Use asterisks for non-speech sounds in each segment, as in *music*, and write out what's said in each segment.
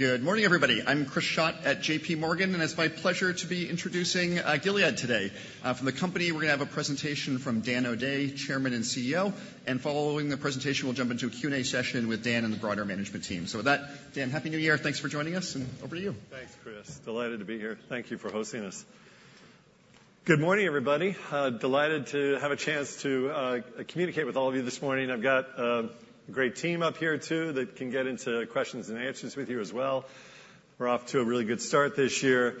Good morning, everybody. I'm Chris Schott at JPMorgan, and it's my pleasure to be introducing Gilead today. From the company, we're gonna have a presentation from Dan O'Day, Chairman and CEO, and following the presentation, we'll jump into a Q&A session with Dan and the broader management team. So with that, Dan, Happy New Year. Thanks for joining us, and over to you. Thanks, Chris. Delighted to be here. Thank you for hosting us. Good morning, everybody. Delighted to have a chance to communicate with all of you this morning. I've got a great team up here, too, that can get into questions and answers with you as well. We're off to a really good start this year.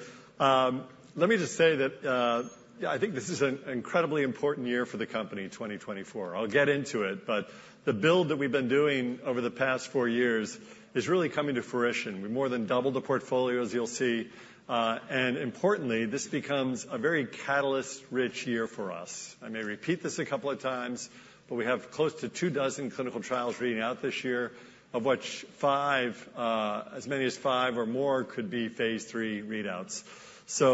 Let me just say that, yeah, I think this is an incredibly important year for the company, 2024. I'll get into it, but the build that we've been doing over the past four years is really coming to fruition. We more than doubled the portfolio, as you'll see, and importantly, this becomes a very catalyst-rich year for us. I may repeat this a couple of times, but we have close to 24 clinical trials reading out this year, of which five, as many as five or more, could be phase III readouts. So,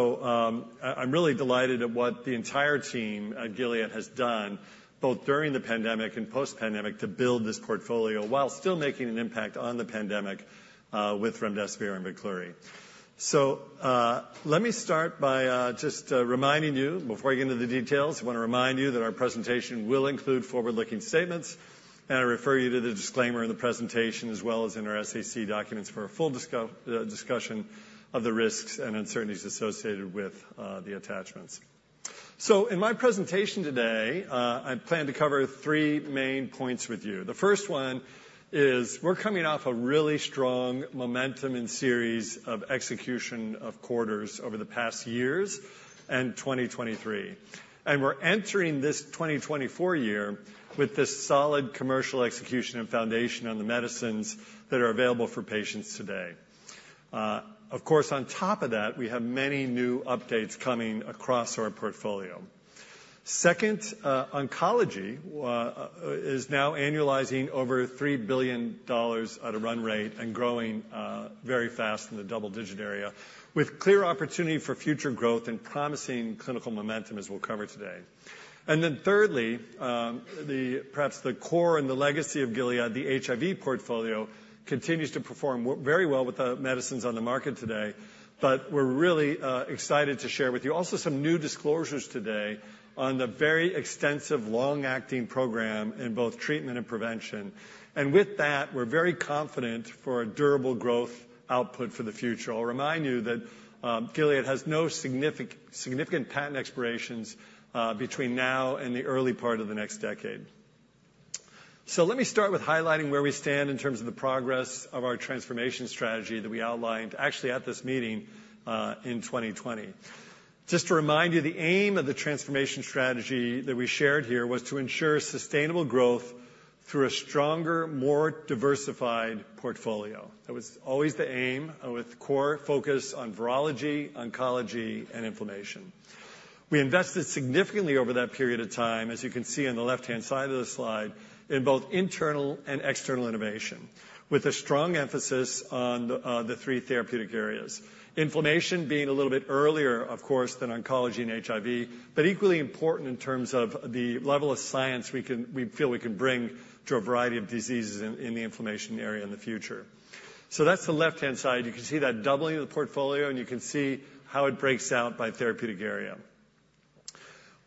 I’m really delighted at what the entire team at Gilead has done, both during the pandemic and post-pandemic, to build this portfolio while still making an impact on the pandemic, with remdesivir and Veklury. So, let me start by just reminding you, before I get into the details, I wanna remind you that our presentation will include forward-looking statements, and I refer you to the disclaimer in the presentation as well as in our SEC documents for a full discussion of the risks and uncertainties associated with the statements. So in my presentation today, I plan to cover three main points with you. The first one is we're coming off a really strong momentum and series of execution of quarters over the past years and 2023. And we're entering this 2024 year with this solid commercial execution and foundation on the medicines that are available for patients today. Of course, on top of that, we have many new updates coming across our portfolio. Second, oncology is now annualizing over $3 billion at a run rate and growing very fast in the double-digit area, with clear opportunity for future growth and promising clinical momentum, as we'll cover today. And then thirdly, perhaps the core and the legacy of Gilead, the HIV portfolio, continues to perform very well with the medicines on the market today. But we're really excited to share with you also some new disclosures today on the very extensive long-acting program in both treatment and prevention. And with that, we're very confident for a durable growth output for the future. I'll remind you that Gilead has no significant, significant patent expirations between now and the early part of the next decade. So let me start with highlighting where we stand in terms of the progress of our transformation strategy that we outlined actually at this meeting in 2020. Just to remind you, the aim of the transformation strategy that we shared here was to ensure sustainable growth through a stronger, more diversified portfolio. That was always the aim with core focus on virology, oncology, and inflammation. We invested significantly over that period of time, as you can see on the left-hand side of the slide, in both internal and external innovation, with a strong emphasis on the three therapeutic areas. Inflammation being a little bit earlier, of course, than oncology and HIV, but equally important in terms of the level of science we feel we can bring to a variety of diseases in the inflammation area in the future. So that's the left-hand side. You can see that doubling of the portfolio, and you can see how it breaks out by therapeutic area.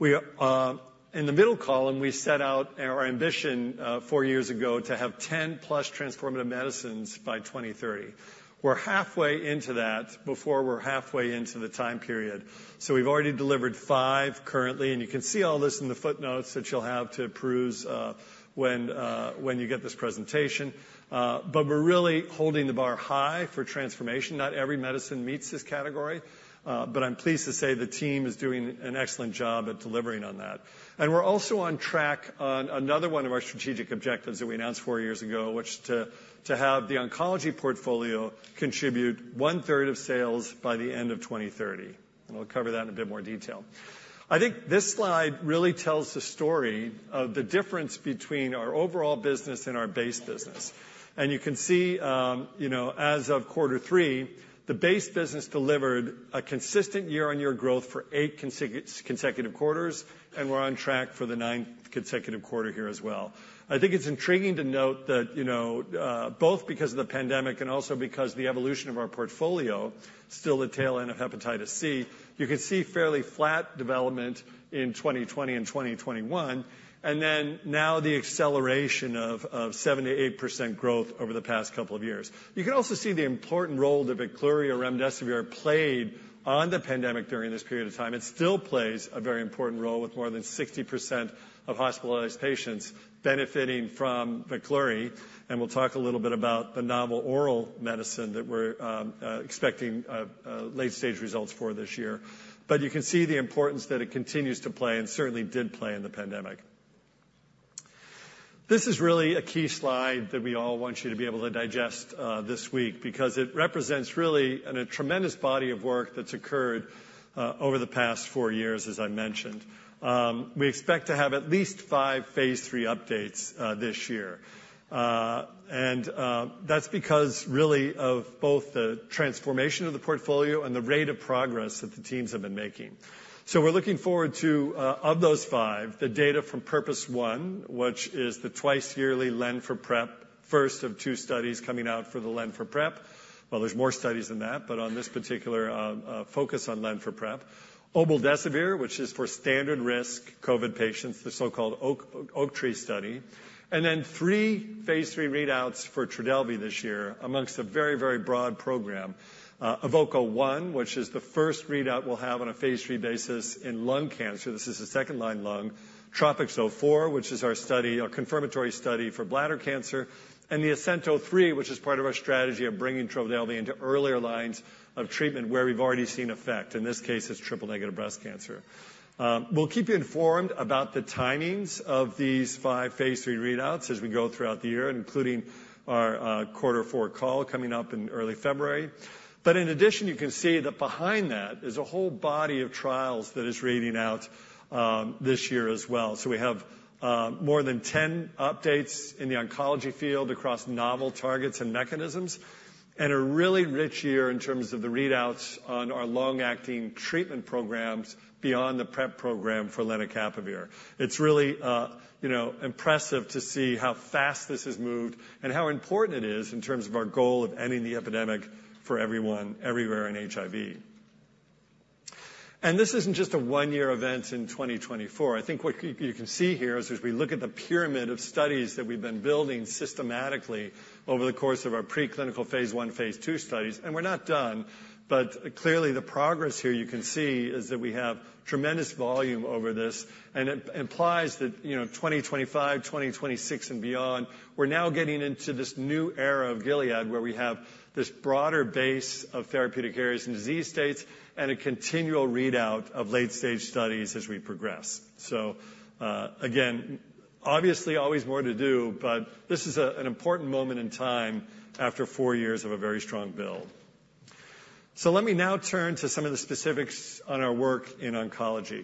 In the middle column, we set out our ambition four years ago to have 10+ transformative medicines by 2030. We're halfway into that before we're halfway into the time period, so we've already delivered five currently, and you can see all this in the footnotes that you'll have to peruse, when you get this presentation. But we're really holding the bar high for transformation. Not every medicine meets this category, but I'm pleased to say the team is doing an excellent job at delivering on that. We're also on track on another one of our strategic objectives that we announced four years ago, which to have the oncology portfolio contribute 1/3 of sales by the end of 2030. We'll cover that in a bit more detail. I think this slide really tells the story of the difference between our overall business and our base business. You can see, you know, as of quarter three, the base business delivered a consistent year-on-year growth for eight consecutive quarters, and we're on track for the ninth consecutive quarter here as well. I think it's intriguing to note that, you know, both because of the pandemic and also because the evolution of our portfolio, still the tail end of hepatitis C, you can see fairly flat development in 2020 and 2021, and then now the acceleration of 78% growth over the past couple of years. You can also see the important role that Veklury or remdesivir played on the pandemic during this period of time. It still plays a very important role, with more than 60% of hospitalized patients benefiting from Veklury, and we'll talk a little bit about the novel oral medicine that we're expecting late-stage results for this year. But you can see the importance that it continues to play and certainly did play in the pandemic. This is really a key slide that we all want you to be able to digest this week, because it represents really a tremendous body of work that's occurred over the past four years, as I mentioned. We expect to have at least five phase III updates this year. And that's because really of both the transformation of the portfolio and the rate of progress that the teams have been making. So we're looking forward to of those five, the data from PURPOSE 1, which is the twice-yearly Len for PrEP, first of two studies coming out for the Len for PrEP. Well, there's more studies than that, but on this particular focus on Len for PrEP. Obeldesivir, which is for standard-risk COVID patients, the so-called OAKTREE study, and then three phase III readouts for Trodelvy this year, among a very, very broad program. EVOKE-01, which is the first readout we'll have on a phase III basis in lung cancer. This is the second-line lung. TROPiCS-04, which is our study, our confirmatory study for bladder cancer, and the ASCENT-03, which is part of our strategy of bringing Trodelvy into earlier lines of treatment where we've already seen effect. In this case, it's triple-negative breast cancer. We'll keep you informed about the timings of these five phase III readouts as we go throughout the year, including our quarter four call coming up in early February. But in addition, you can see that behind that is a whole body of trials that is reading out this year as well. So we have more than 10 updates in the oncology field across novel targets and mechanisms, and a really rich year in terms of the readouts on our long-acting treatment programs beyond the PrEP program for lenacapavir. It's really you know impressive to see how fast this has moved and how important it is in terms of our goal of ending the epidemic for everyone, everywhere in HIV. And this isn't just a one-year event in 2024. I think what you can see here is as we look at the pyramid of studies that we've been building systematically over the course of our preclinical phase I, phase II studies, and we're not done, but clearly, the progress here you can see is that we have tremendous volume over this. It implies that, you know, 2025, 2026, and beyond, we're now getting into this new era of Gilead, where we have this broader base of therapeutic areas and disease states, and a continual readout of late-stage studies as we progress. Again, obviously, always more to do, but this is an important moment in time after four years of a very strong build. So let me now turn to some of the specifics on our work in oncology.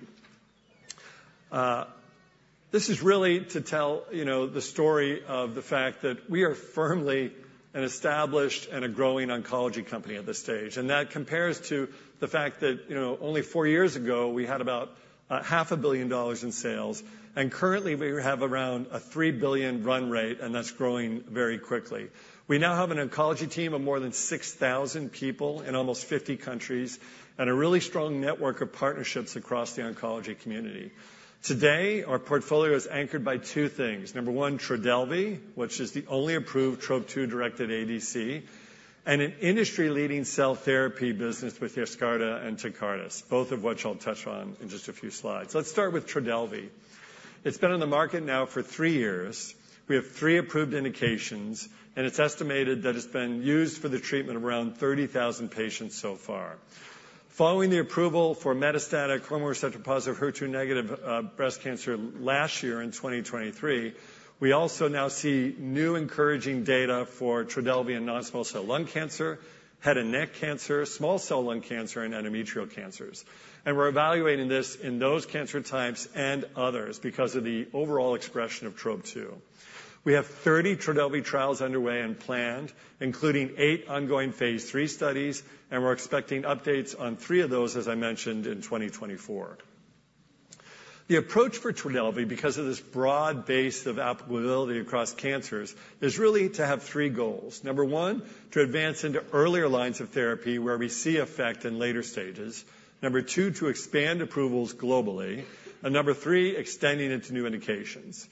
This is really to tell, you know, the story of the fact that we are firmly an established and a growing oncology company at this stage. That compares to the fact that, you know, only four years ago, we had about $500 million in sales, and currently, we have around a $3 billion run rate, and that's growing very quickly. We now have an oncology team of more than 6,000 people in almost 50 countries and a really strong network of partnerships across the oncology community. Today, our portfolio is anchored by two things. Number one, Trodelvy, which is the only approved Trop-2-directed ADC, and an industry-leading cell therapy business with Yescarta and Tecartus, both of which I'll touch on in just a few slides. Let's start with Trodelvy. It's been on the market now for three years. We have three approved indications, and it's estimated that it's been used for the treatment of around 30,000 patients so far. Following the approval for metastatic hormone receptor-positive, HER2-negative breast cancer last year in 2023, we also now see new encouraging data for Trodelvy in non-small cell lung cancer, head and neck cancer, small cell lung cancer, and endometrial cancers. We're evaluating this in those cancer types and others because of the overall expression of Trop-2. We have 30 Trodelvy trials underway and planned, including 8 ongoing phase III studies, and we're expecting updates on three of those, as I mentioned, in 2024. The approach for Trodelvy, because of this broad base of applicability across cancers, is really to have three goals. Number one, to advance into earlier lines of therapy where we see effect in later stages. Number two, to expand approvals globally. Number three, extending into new indications.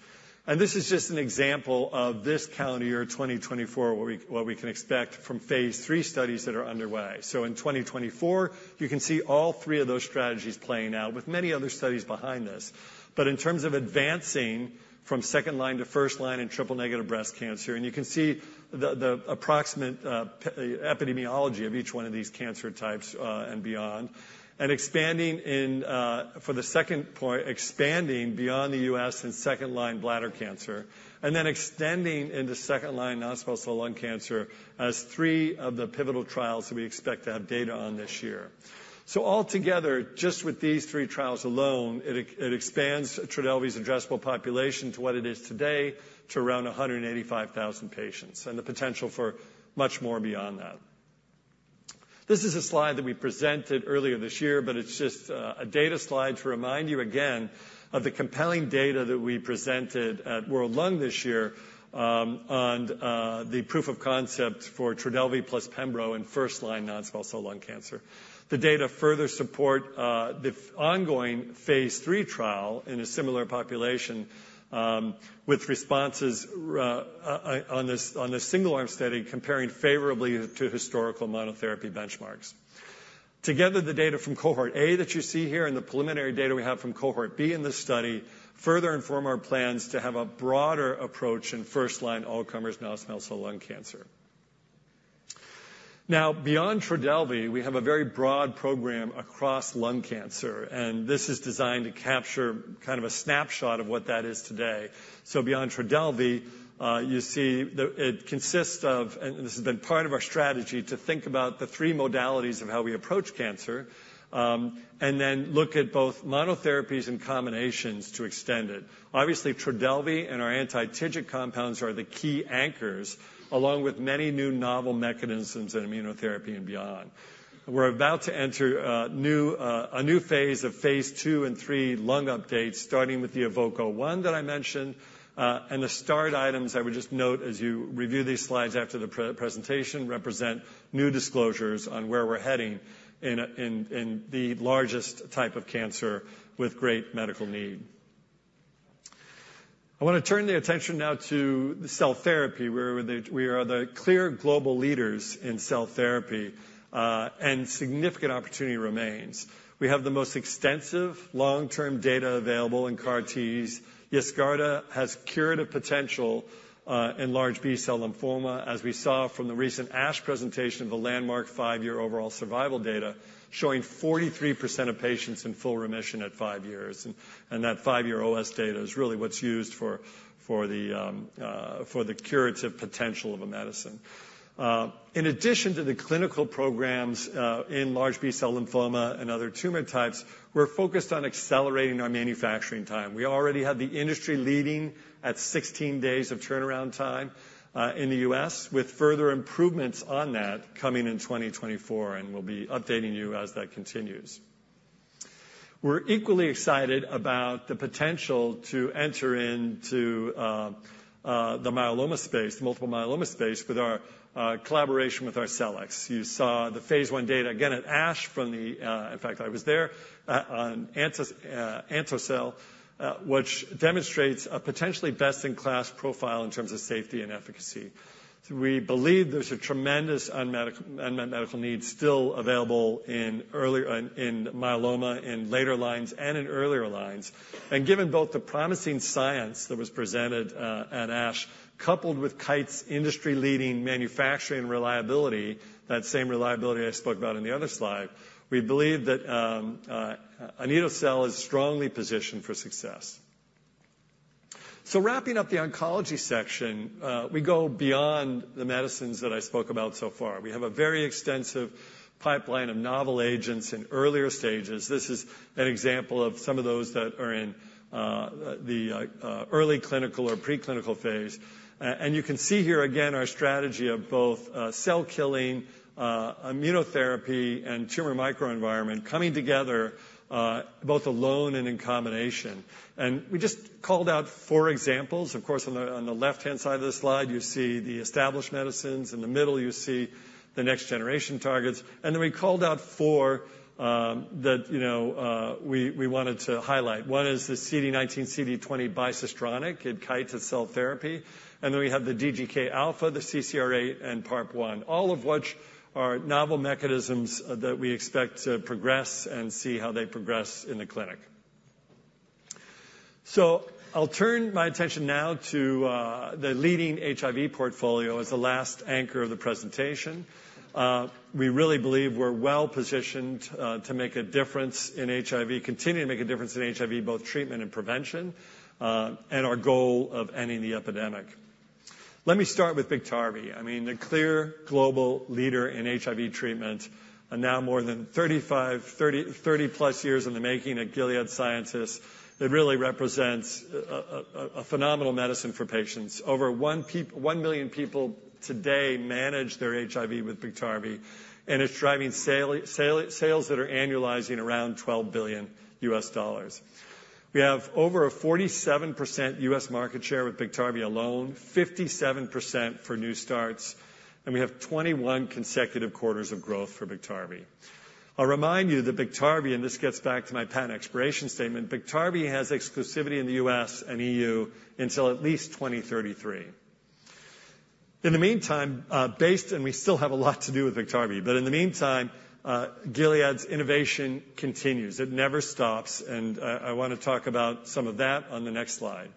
This is just an example of this calendar year, 2024, what we, what we can expect from phase III studies that are underway. In 2024, you can see all three of those strategies playing out with many other studies behind this. But in terms of advancing from second-line to first-line in triple-negative breast cancer, and you can see the, the approximate epidemiology of each one of these cancer types, and beyond, and expanding in... For the second point, expanding beyond the US in second-line bladder cancer, and then extending into second-line non-small cell lung cancer as three of the pivotal trials that we expect to have data on this year. So altogether, just with these three trials alone, it expands Trodelvy's addressable population to what it is today, to around 185,000 patients, and the potential for much more beyond that. This is a slide that we presented earlier this year, but it's just a data slide to remind you again of the compelling data that we presented at World Lung this year, on the proof of concept for Trodelvy plus pembro in first-line non-small cell lung cancer. The data further support the ongoing phase III trial in a similar population, with responses on this single-arm study, comparing favorably to historical monotherapy benchmarks. Together, the data from cohort A that you see here and the preliminary data we have from cohort B in this study further inform our plans to have a broader approach in first-line all comers non-small cell lung cancer. Now, beyond Trodelvy, we have a very broad program across lung cancer, and this is designed to capture kind of a snapshot of what that is today. So beyond Trodelvy, you see it consists of, and this has been part of our strategy, to think about the three modalities of how we approach cancer, and then look at both monotherapies and combinations to extend it. Obviously, Trodelvy and our anti-TIGIT compounds are the key anchors, along with many new novel mechanisms in immunotherapy and beyond. We're about to enter a new phase of phase II and III lung updates, starting with the EVOKE-01 that I mentioned. And the start items, I would just note, as you review these slides after the pre-presentation, represent new disclosures on where we're heading in the largest type of cancer with great medical need. I want to turn the attention now to the cell therapy, where we are the clear global leaders in cell therapy, and significant opportunity remains. We have the most extensive long-term data available in CAR-Ts. Yescarta has curative potential in large B-cell lymphoma, as we saw from the recent ASH presentation of a landmark five-year overall survival data, showing 43% of patients in full remission at five years. That five-year OS data is really what's used for the curative potential of a medicine. In addition to the clinical programs in large B-cell lymphoma and other tumor types, we're focused on accelerating our manufacturing time. We already have the industry-leading 16 days of turnaround time in the U.S., with further improvements on that coming in 2024, and we'll be updating you as that continues. We're equally excited about the potential to enter into the myeloma space, the multiple myeloma space, with our collaboration with Arcelix. You saw the phase I data again at ASH. In fact, I was there on anito-cel, which demonstrates a potentially best-in-class profile in terms of safety and efficacy. We believe there's a tremendous unmet medical need still available in earlier, in myeloma, in later lines and in earlier lines. And given both the promising science that was presented at ASH, coupled with Kite's industry-leading manufacturing reliability, that same reliability I spoke about in the other slide, we believe that anito-cel is strongly positioned for success. So wrapping up the oncology section, we go beyond the medicines that I spoke about so far. We have a very extensive pipeline of novel agents in earlier stages. This is an example of some of those that are in the early clinical or preclinical phase. And you can see here, again, our strategy of both cell killing immunotherapy, and tumor microenvironment coming together, both alone and in combination. And we just called out four examples. Of course, on the left-hand side of the slide, you see the established medicines. In the middle, you see the next-generation targets. And then we called out four that you know we wanted to highlight. One is the CD19, CD20 bicistronic, it's Kite's cell therapy. And then we have the DGK alpha, the CCR8, and PARP1, all of which are novel mechanisms that we expect to progress and see how they progress in the clinic. So I'll turn my attention now to the leading HIV portfolio as the last anchor of the presentation. We really believe we're well-positioned to make a difference in HIV, continue to make a difference in HIV, both treatment and prevention, and our goal of ending the epidemic. Let me start with Biktarvy. I mean, the clear global leader in HIV treatment, and now more than thirty-five, thirty, thirty-plus years in the making at Gilead Sciences, it really represents a, a, a phenomenal medicine for patients. Over one million people today manage their HIV with Biktarvy, and it's driving sales that are annualizing around $12 billion. We have over a 47% US market share with Biktarvy alone, 57% for new starts, and we have 21 consecutive quarters of growth for Biktarvy. I'll remind you that Biktarvy, and this gets back to my patent expiration statement, Biktarvy has exclusivity in the US and EU until at least 2033. In the meantime, and we still have a lot to do with Biktarvy, but in the meantime, Gilead's innovation continues. It never stops, and I wanna talk about some of that on the next slide.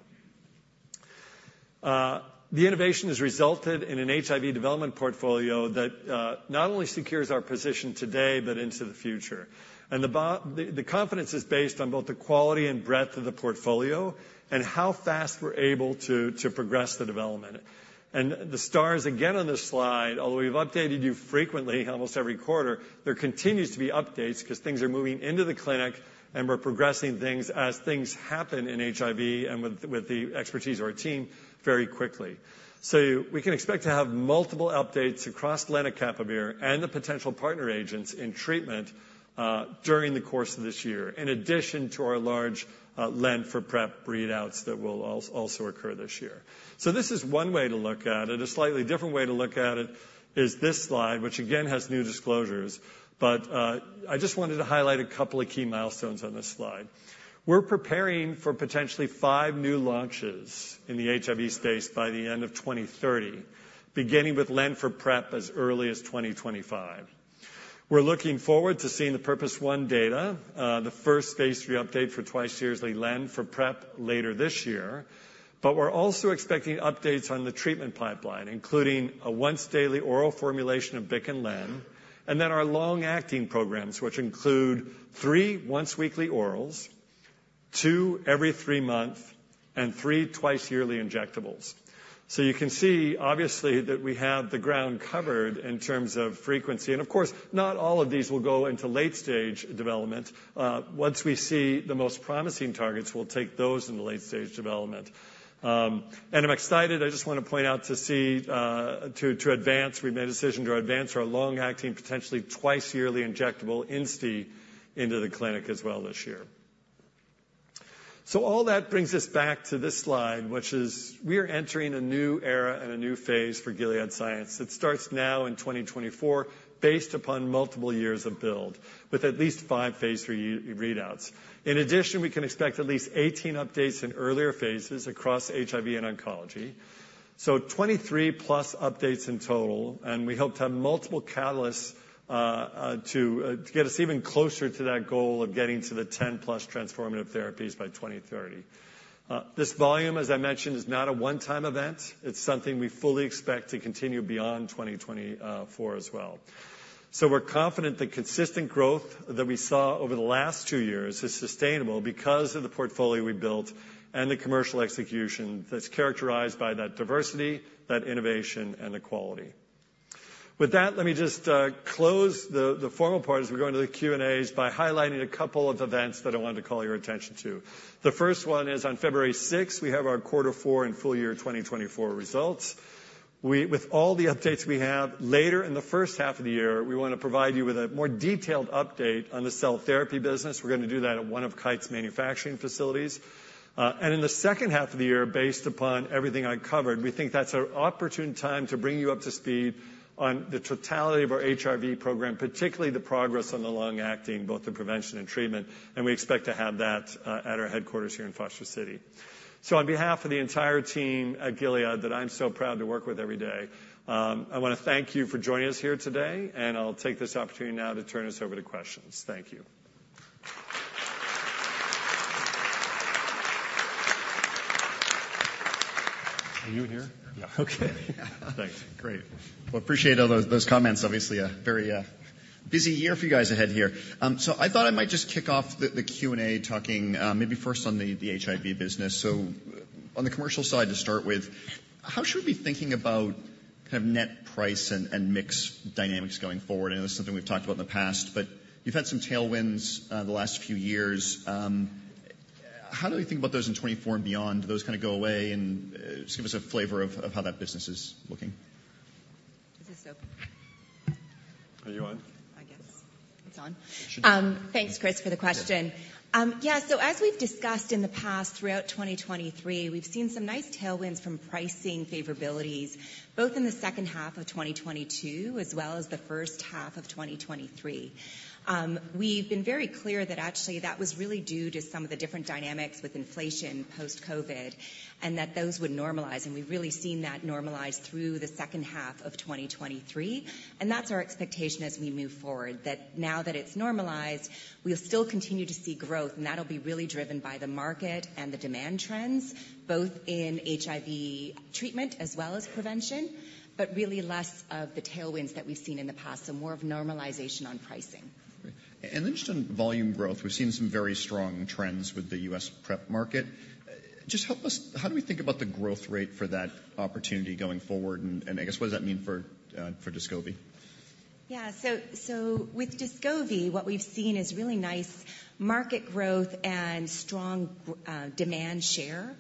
The innovation has resulted in an HIV development portfolio that not only secures our position today, but into the future. And the confidence is based on both the quality and breadth of the portfolio and how fast we're able to progress the development. And the stars, again, on this slide, although we've updated you frequently, almost every quarter, there continues to be updates because things are moving into the clinic, and we're progressing things as things happen in HIV and with the expertise of our team very quickly. So we can expect to have multiple updates across Lenacapavir and the potential partner agents in treatment, during the course of this year, in addition to our large, len for PrEP readouts that will also occur this year. So this is one way to look at it. A slightly different way to look at it is this slide, which again, has new disclosures. But, I just wanted to highlight a couple of key milestones on this slide. We're preparing for potentially five new launches in the HIV space by the end of 2030, beginning with len for PrEP as early as 2025. We're looking forward to seeing the PURPOSE 1 data, the first phase III update for twice-yearly len for PrEP later this year. But we're also expecting updates on the treatment pipeline, including a once-daily oral formulation of bic and len, and then our long-acting programs, which include three once-weekly orals, two every three months, and three twice-yearly injectables. So you can see, obviously, that we have the ground covered in terms of frequency. And of course, not all of these will go into late-stage development. Once we see the most promising targets, we'll take those into late-stage development. And I'm excited, I just want to point out, to advance, we've made a decision to advance our long-acting, potentially twice-yearly injectable INSTI into the clinic as well this year. So all that brings us back to this slide, which is we are entering a new era and a new phase for Gilead Sciences that starts now in 2024, based upon multiple years of build, with at least five phase III readouts. In addition, we can expect at least 18 updates in earlier phases across HIV and oncology. So 23+ updates in total, and we hope to have multiple catalysts to get us even closer to that goal of getting to the 10+ transformative therapies by 2030. This volume, as I mentioned, is not a one-time event. It's something we fully expect to continue beyond 2024 as well. So we're confident the consistent growth that we saw over the last two years is sustainable because of the portfolio we built and the commercial execution that's characterized by that diversity, that innovation, and the quality. With that, let me just close the formal part as we go into the Q and As, by highlighting a couple of events that I wanted to call your attention to. The first one is on February sixth; we have our quarter four and full year 2024 results. With all the updates we have later in the first half of the year, we want to provide you with a more detailed update on the cell therapy business. We're going to do that at one of Kite's manufacturing facilities. And in the second half of the year, based upon everything I covered, we think that's an opportune time to bring you up to speed on the totality of our HIV program, particularly the progress on the long-acting, both in prevention and treatment, and we expect to have that at our headquarters here in Foster City. So on behalf of the entire team at Gilead that I'm so proud to work with every day, I wanna thank you for joining us here today, and I'll take this opportunity now to turn us over to questions. Thank you. Are you here? Yeah. Okay. Thanks. Great. Well, appreciate all those comments. Obviously, a very busy year for you guys ahead here. So I thought I might just kick off the Q&A talking maybe first on the HIV business. So on the commercial side, to start with, how should we be thinking about kind of net price and mix dynamics going forward? I know this is something we've talked about in the past, but you've had some tailwinds the last few years. How do we think about those in 2024 and beyond? Do those kind of go away? And just give us a flavor of how that business is looking. This is so- Are you on? I guess. It's on. It should be. Thanks, Chris, for the question. Yeah. Yeah, so as we've discussed in the past, throughout 2023, we've seen some nice tailwinds from pricing favorabilities, both in the second half of 2022 as well as the first half of 2023. We've been very clear that actually, that was really due to some of the different dynamics with inflation post-COVID, and that those would normalize, and we've really seen that normalize through the second half of 2023. And that's our expectation as we move forward, that now that it's normalized, we'll still continue to see growth, and that'll be really driven by the market and the demand trends, both in HIV treatment as well as prevention, but really less of the tailwinds that we've seen in the past. So more of normalization on pricing. Great. And then just on volume growth, we've seen some very strong trends with the U.S. PrEP market. Just help us. How do we think about the growth rate for that opportunity going forward? And I guess, what does that mean for Descovy? Yeah. So, with Descovy, what we've seen is really nice market growth and strong demand share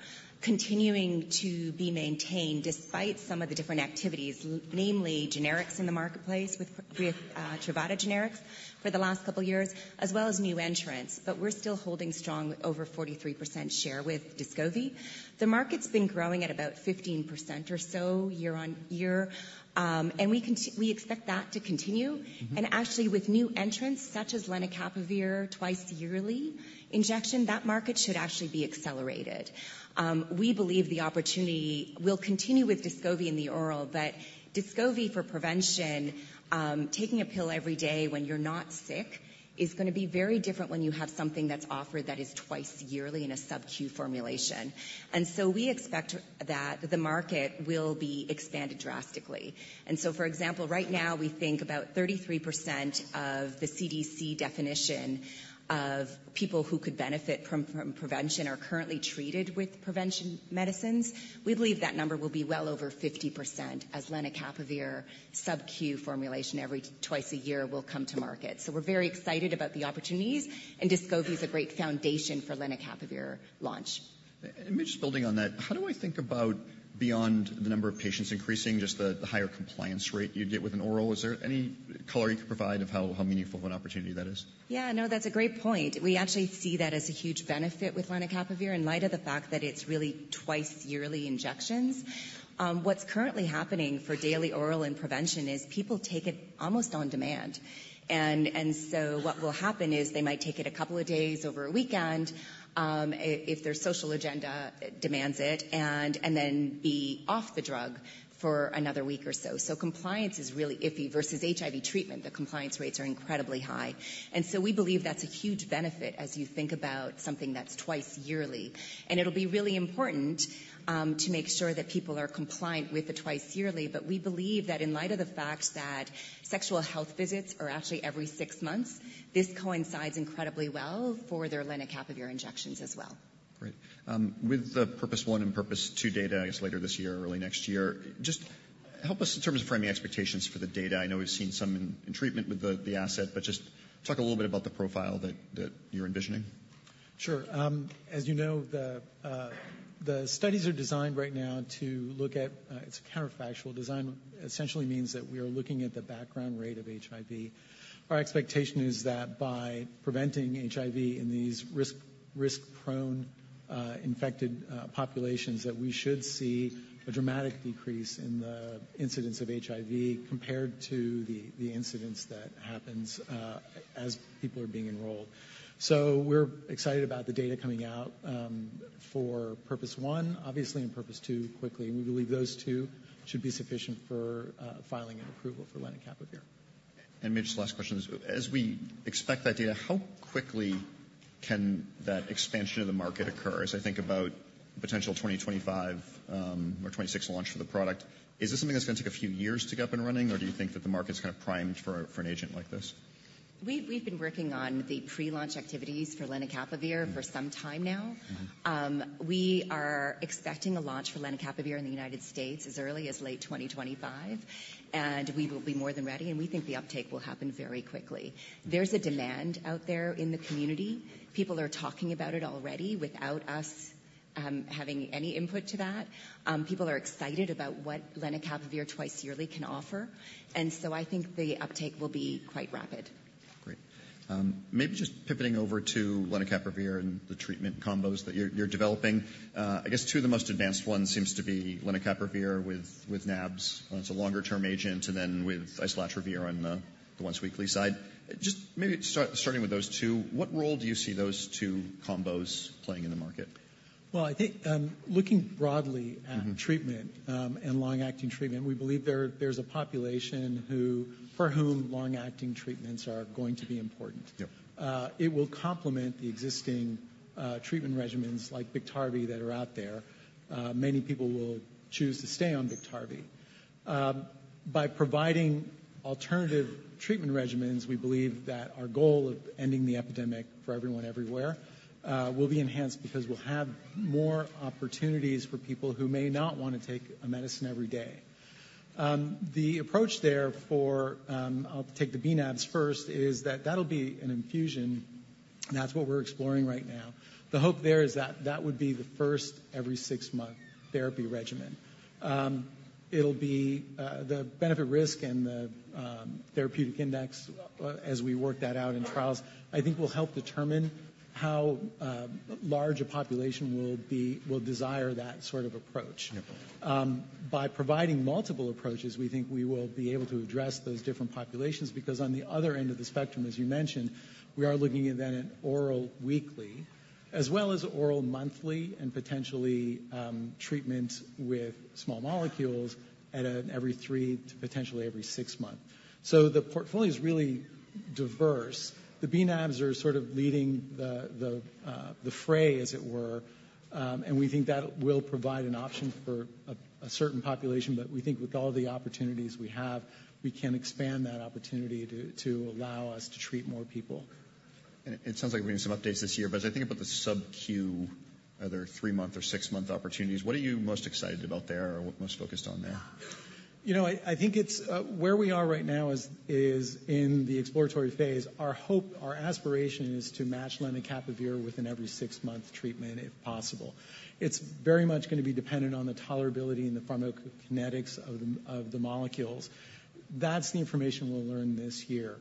continuing to be maintained despite some of the different activities, namely generics in the marketplace, with Truvada generics for the last couple of years, as well as new entrants. But we're still holding strong with over 43% share with Descovy. The market's been growing at about 15% or so year-on-year, and we expect that to continue. Actually, with new entrants, such as Lenacapavir twice-yearly injection, that market should actually be accelerated. We believe the opportunity will continue with Descovy in the oral, but Descovy for prevention, taking a pill every day when you're not sick, is gonna be very different when you have something that's offered that is twice yearly in a subQ formulation. We expect that the market will be expanded drastically. For example, right now, we think about 33% of the CDC definition of people who could benefit from prevention are currently treated with prevention medicines. We believe that number will be well over 50% as Lenacapavir subQ formulation every twice a year will come to market. We're very excited about the opportunities, and Descovy is a great foundation for Lenacapavir launch. Maybe just building on that, how do I think about beyond the number of patients increasing, just the higher compliance rate you get with an oral? Is there any color you could provide of how meaningful of an opportunity that is? Yeah, no, that's a great point. We actually see that as a huge benefit with lenacapavir in light of the fact that it's really twice-yearly injections. What's currently happening for daily oral and prevention is people take it almost on demand. And so what will happen is they might take it a couple of days over a weekend, if their social agenda demands it, and then be off the drug for another week or so. So compliance is really iffy versus HIV treatment. The compliance rates are incredibly high. And so we believe that's a huge benefit as you think about something that's twice yearly. It'll be really important to make sure that people are compliant with the twice yearly. We believe that in light of the fact that sexual health visits are actually every six months, this coincides incredibly well for their Lenacapavir injections as well. Great. With the PURPOSE 1 and PURPOSE 2 data, I guess, later this year or early next year, just help us in terms of framing expectations for the data. I know we've seen some in treatment with the asset, but just talk a little bit about the profile that you're envisioning. Sure. As you know, the... The studies are designed right now to look at, it's a counterfactual design. Essentially means that we are looking at the background rate of HIV. Our expectation is that by preventing HIV in these risk-prone infected populations, that we should see a dramatic decrease in the incidence of HIV compared to the incidence that happens as people are being enrolled. So we're excited about the data coming out for PURPOSE 1, obviously, and PURPOSE 2 quickly. We believe those two should be sufficient for filing an approval for Lenacapavir. Maybe just last question is, as we expect that data, how quickly can that expansion of the market occur? As I think about potential 2025 or 2026 launch for the product, is this something that's gonna take a few years to get up and running, or do you think that the market's kind of primed for an agent like this? We've been working on the pre-launch activities for Lenacapavir for some time now. We are expecting a launch for Lenacapavir in the United States as early as late 2025, and we will be more than ready, and we think the uptake will happen very quickly. There's a demand out there in the community. People are talking about it already without us, having any input to that. People are excited about what Lenacapavir twice-yearly can offer, and so I think the uptake will be quite rapid. Great. Maybe just pivoting over to Lenacapavir and the treatment combos that you're developing. I guess two of the most advanced ones seems to be Lenacapavir with bNAbs. It's a longer-term agent, and then with Islatravir on the once weekly side. Just maybe starting with those two, what role do you see those two combos playing in the market? Well, I think, looking broadly short-acting treatment and long-acting treatment, we believe there's a population for whom long-acting treatments are going to be important. Yep. It will complement the existing treatment regimens like Biktarvy that are out there. Many people will choose to stay on Biktarvy. By providing alternative treatment regimens, we believe that our goal of ending the epidemic for everyone everywhere will be enhanced because we'll have more opportunities for people who may not want to take a medicine every day. The approach there for, I'll take the bNAbs first, is that that'll be an infusion, and that's what we're exploring right now. The hope there is that that would be the first every six-month therapy regimen. It'll be the benefit, risk, and the therapeutic index as we work that out in trials, I think will help determine how large a population will be-will desire that sort of approach. Yep. By providing multiple approaches, we think we will be able to address those different populations, because on the other end of the spectrum, as you mentioned, we are looking at then an oral weekly, as well as oral monthly and potentially, treatments with small molecules at an every three to potentially every six month. So the portfolio is really diverse. The bNAbs are sort of leading the fray, as it were, and we think that will provide an option for a certain population. But we think with all the opportunities we have, we can expand that opportunity to allow us to treat more people. It sounds like we're getting some updates this year, but as I think about the subQ, are there three-month or six-month opportunities? What are you most excited about there or most focused on there? You know, I think it's where we are right now is in the exploratory phase. Our hope, our aspiration is to match Lenacapavir with an every six-month treatment, if possible. It's very much going to be dependent on the tolerability and the pharmacokinetics of the molecules. That's the information we'll learn this year.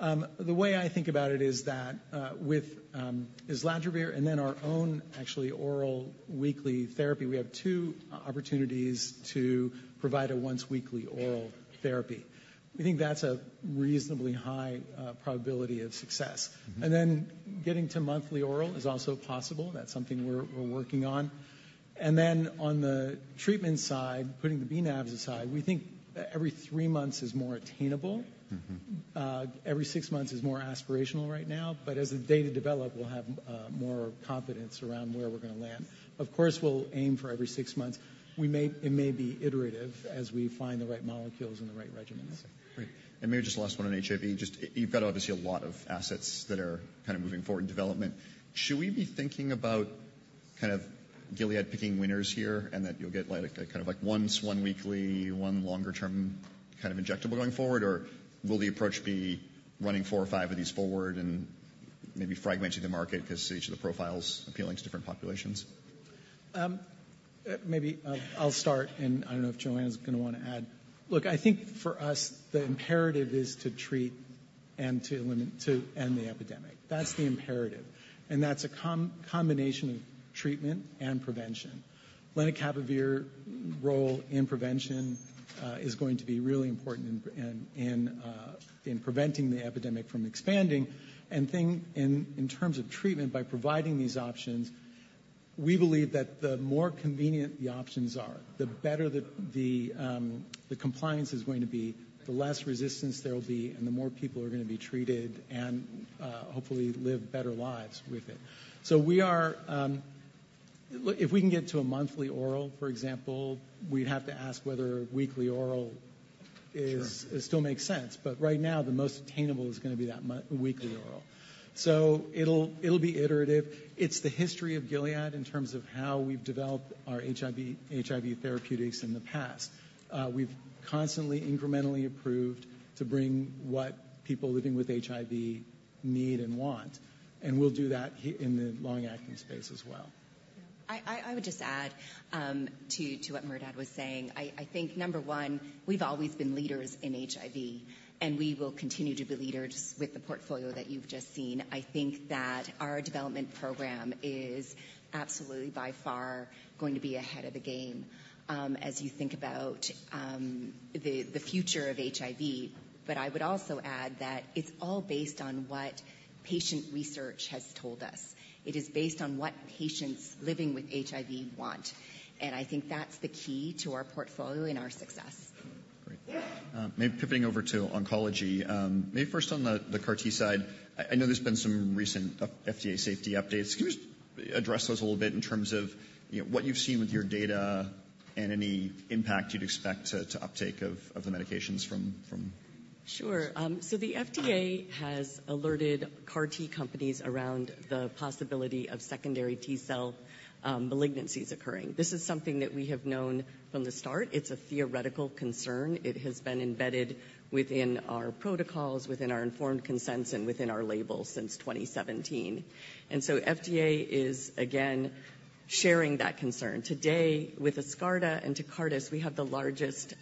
The way I think about it is that, with Islatravir and then our own actually oral weekly therapy, we have two opportunities to provide a once weekly oral therapy. We think that's a reasonably high probability of success. And then getting to monthly oral is also possible. That's something we're, we're working on. And then on the treatment side, putting the bNAbs aside, we think every three months is more attainable. Every six months is more aspirational right now, but as the data develop, we'll have more confidence around where we're gonna land. Of course, we'll aim for every six months. It may be iterative as we find the right molecules and the right regimens. Great. Maybe just last one on HIV. Just, you've got obviously a lot of assets that are kind of moving forward in development. Should we be thinking about kind of Gilead picking winners here, and that you'll get, like, a kind of like once, one weekly, one longer term kind of injectable going forward? Or will the approach be running four or five of these forward and maybe fragmenting the market because each of the profiles appealing to different populations? Maybe I'll start, and I don't know if Johanna's gonna want to add. Look, I think for us, the imperative is to treat and to limit to end the epidemic. That's the imperative, and that's a combination of treatment and prevention. Lenacapavir role in prevention is going to be really important in preventing the epidemic from expanding. And think in terms of treatment, by providing these options, we believe that the more convenient the options are, the better the compliance is going to be, the less resistance there will be, and the more people are going to be treated and hopefully live better lives with it. So we are. Look, if we can get to a monthly oral, for example, we'd have to ask whether weekly oral is still makes sense. But right now, the most attainable is gonna be that monthly-weekly oral. So it'll be iterative. It's the history of Gilead in terms of how we've developed our HIV therapeutics in the past. We've constantly incrementally approved to bring what people living with HIV need and want, and we'll do that in the long-acting space as well. I would just add to what Merdad was saying. I think number one, we've always been leaders in HIV, and we will continue to be leaders with the portfolio that you've just seen. I think that our development program is absolutely by far going to be ahead of the game, as you think about the future of HIV. But I would also add that it's all based on what patient research has told us. It is based on what patients living with HIV want, and I think that's the key to our portfolio and our success. Great. Maybe pivoting over to oncology, maybe first on the CAR T side. I know there's been some recent FDA safety updates. Can you just address those a little bit in terms of, you know, what you've seen with your data and any impact you'd expect to uptake of the medications from? Sure. So the FDA has alerted CAR T companies around the possibility of secondary T-cell malignancies occurring. This is something that we have known from the start. It's a theoretical concern. It has been embedded within our protocols, within our informed consents, and within our labels since 2017. And so FDA is again sharing that concern. Today, with Yescarta and Tecartus, we have the largest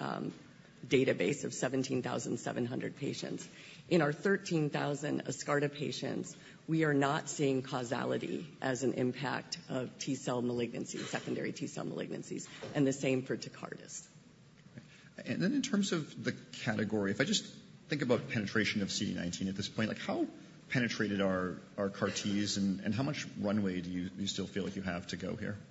database of 17,700 patients. In our 13,000 Yescarta patients, we are not seeing causality as an impact of T-cell malignancy, secondary T-cell malignancies, and the same for Tecartus. Then in terms of the category, if I just think about penetration of CD19 at this point, like how penetrated are CAR Ts, and how much runway do you still feel like you have to go here? Yeah,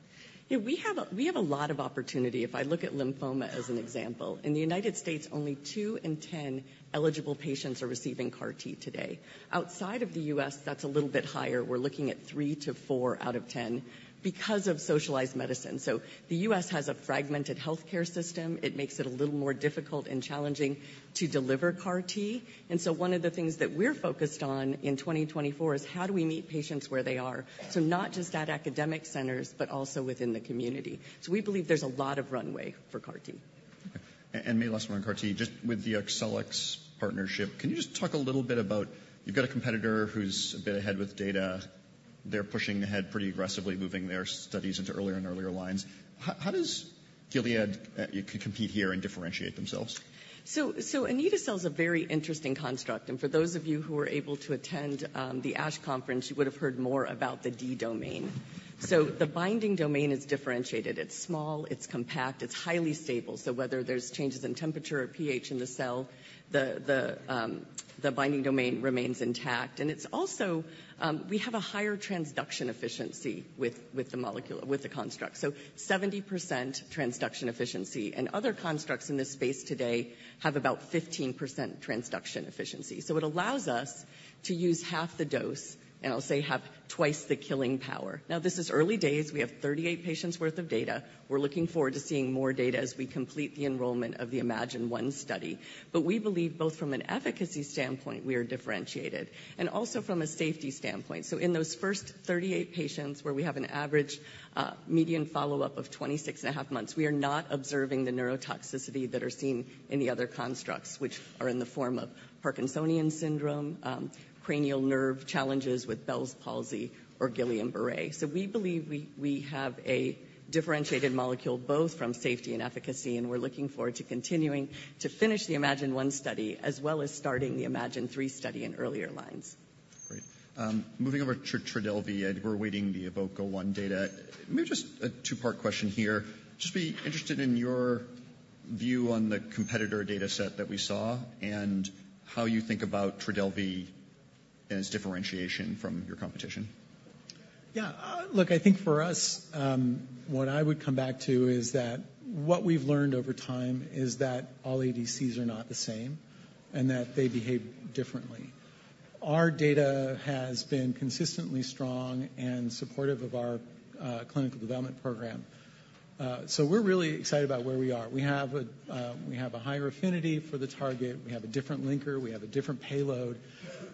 we have a lot of opportunity. If I look at lymphoma as an example, in the United States, only two in 10 eligible patients are receiving CAR T today. Outside of the U.S., that's a little bit higher. We're looking at three-four out of 10 because of socialized medicine. So the U.S. has a fragmented healthcare system. It makes it a little more difficult and challenging to deliver CAR T. And so one of the things that we're focused on in 2024 is how do we meet patients where they are? So not just at academic centers, but also within the community. So we believe there's a lot of runway for CAR T. Okay. And maybe last one on CAR T, just with the Arcelix partnership, can you just talk a little bit about... You've got a competitor who's a bit ahead with data. They're pushing ahead pretty aggressively, moving their studies into earlier and earlier lines. How does Gilead compete here and differentiate themselves? So, anito-cel is a very interesting construct, and for those of you who were able to attend the ASH conference, you would have heard more about the D domain. So the binding domain is differentiated. It's small, it's compact, it's highly stable. So whether there's changes in temperature or pH in the cell, the binding domain remains intact. And it's also we have a higher transduction efficiency with the construct, so 70% transduction efficiency. And other constructs in this space today have about 15% transduction efficiency. So it allows us to use half the dose, and I'll say, half twice the killing power. Now, this is early days. We have 38 patients' worth of data. We're looking forward to seeing more data as we complete the enrollment of the iMMagine-1 study. But we believe both from an efficacy standpoint, we are differentiated, and also from a safety standpoint. So in those first 38 patients, where we have an average, median follow-up of 26.5 months, we are not observing the neurotoxicity that are seen in the other constructs, which are in the form of Parkinsonian syndrome, cranial nerve challenges with Bell's palsy or Guillain-Barré. So we believe we, we have a differentiated molecule, both from safety and efficacy, and we're looking forward to continuing to finish the iMMagine-1 study, as well as starting the iMMagine-3 study in earlier lines. Great. Moving over to Trodelvy, I think we're awaiting the EVOKE-01 data. Maybe just a two-part question here. Just be interested in your view on the competitor data set that we saw and how you think about Trodelvy as differentiation from your competition? Yeah. Look, I think for us, what I would come back to is that what we've learned over time is that all ADCs are not the same and that they behave differently. Our data has been consistently strong and supportive of our clinical development program. So we're really excited about where we are. We have a, we have a higher affinity for the target, we have a different linker, we have a different payload,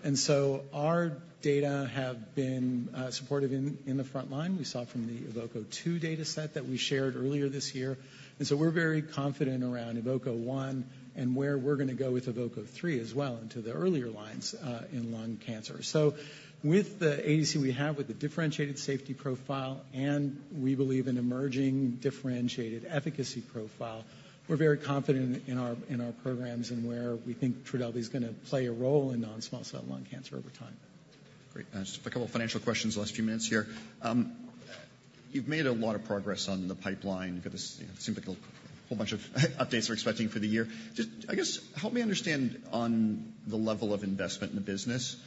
and so our data have been supportive in the front line. We saw from the EVOKE-02 data set that we shared earlier this year, and so we're very confident around EVOKE-01 and where we're gonna go with EVOKE-03 as well, into the earlier lines in lung cancer. So with the ADC we have, with the differentiated safety profile, and we believe an emerging differentiated efficacy profile, we're very confident in our, in our programs and where we think Trodelvy's gonna play a role in non-small cell lung cancer over time. Great. Just a couple of financial questions, last few minutes here. You've made a lot of progress on the pipeline, seem like a whole bunch of updates we're expecting for the year. Just, I guess, help me understand on the level of investment in the business.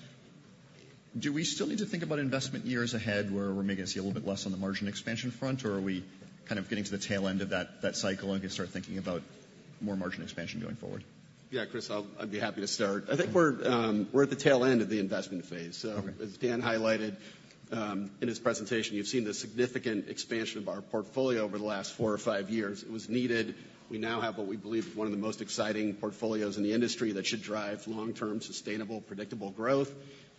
Do we still need to think about investment years ahead, where we're maybe gonna see a little bit less on the margin expansion front, or are we kind of getting to the tail end of that, that cycle and can start thinking about more margin expansion going forward? Yeah, Chris, I'd be happy to start. I think we're at the tail end of the investment phase. So as Dan highlighted in his presentation, you've seen the significant expansion of our portfolio over the last four or five years. It was needed. We now have what we believe is one of the most exciting portfolios in the industry that should drive long-term, sustainable, predictable growth.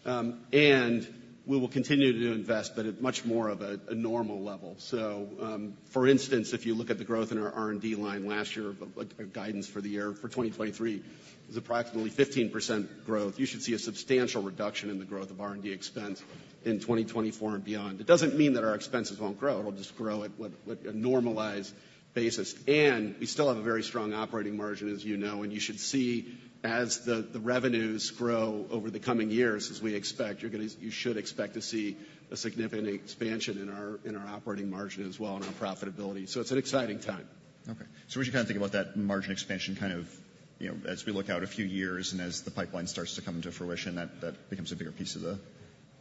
And we will continue to invest but at much more of a normal level. So, for instance, if you look at the growth in our R&D line last year, of like a guidance for the year for 2023, is approximately 15% growth. You should see a substantial reduction in the growth of R&D expense in 2024 and beyond. It doesn't mean that our expenses won't grow, it'll just grow at what a normalized basis. We still have a very strong operating margin, as you know, and you should see as the revenues grow over the coming years, as we expect, you're gonna... You should expect to see a significant expansion in our operating margin as well, and our profitability. So it's an exciting time. Okay. So we should kind of think about that margin expansion kind of, you know, as we look out a few years, and as the pipeline starts to come into fruition, that, that becomes a bigger piece of the-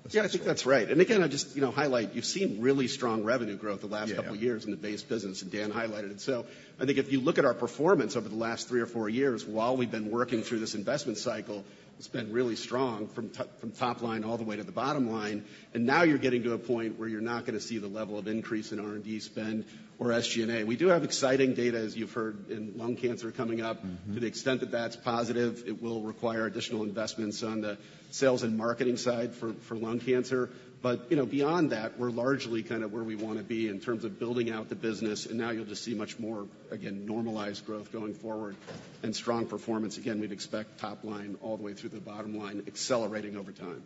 Yeah, I think that's right. And again, I just, you know, highlight, you've seen really strong revenue growth the last couple of years in the base business, and Dan highlighted it. So I think if you look at our performance over the last three or four years, while we've been working through this investment cycle, it's been really strong from top, from top line all the way to the bottom line. And now you're getting to a point where you're not gonna see the level of increase in R&D spend or SG&A. We do have exciting data, as you've heard, in lung cancer coming up. To the extent that that's positive, it will require additional investments on the sales and marketing side for lung cancer. But, you know, beyond that, we're largely kind of where we wanna be in terms of building out the business, and now you'll just see much more, again, normalized growth going forward and strong performance. Again, we'd expect top line all the way through the bottom line, accelerating over time.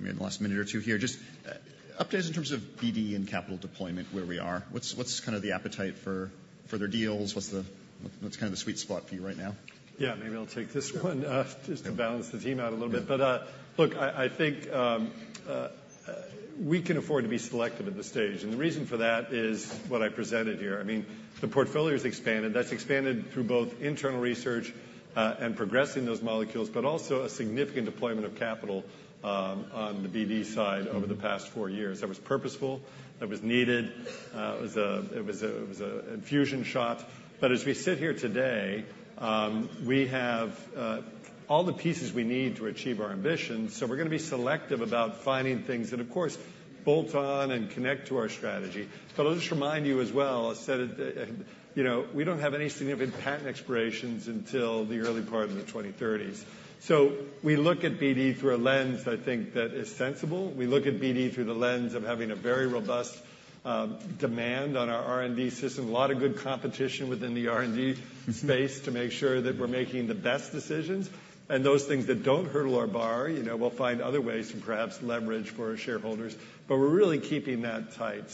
We have the last minute or two here, just updates in terms of BD and capital deployment, where we are. What's kind of the appetite for their deals? What's kind of the sweet spot for you right now? Yeah, maybe I'll take this one, just to balance the team out a little bit. But, look, I think we can afford to be selective at this stage, and the reason for that is what I presented here. I mean, the portfolio has expanded. That's expanded through both internal research and progressing those molecules, but also a significant deployment of capital on the BD side over the past four years. That was purposeful, that was needed, it was a infusion shot. But as we sit here today, we have all the pieces we need to achieve our ambitions, so we're gonna be selective about finding things that, of course, bolt on and connect to our strategy. But I'll just remind you as well, I said it, you know, we don't have any significant patent expirations until the early part of the twenty thirties. We look at BD through a lens, I think, that is sensible. We look at BD through the lens of having a very robust demand on our R&D system. A lot of good competition within the R&D space to make sure that we're making the best decisions. Those things that don't hurdle our bar, you know, we'll find other ways to perhaps leverage for our shareholders, but we're really keeping that tight.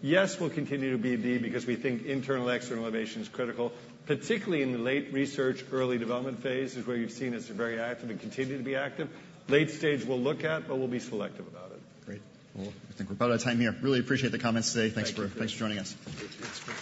Yes, we'll continue to BD because we think internal-external innovation is critical, particularly in the late research, early development phase, is where you've seen us very active and continue to be active. Late stage, we'll look at, but we'll be selective about it. Great. Well, I think we're about out of time here. Really appreciate the comments today. Thank you. Thanks for joining us. It's great. *audio distortion*